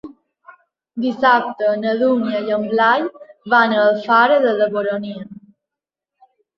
Dissabte na Dúnia i en Blai van a Alfara de la Baronia.